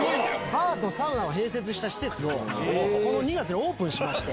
バーとサウナを併設した施設をこの２月にオープンしまして。